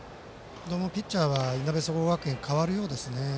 ピッチャーがいなべ総合学園代わるようですね。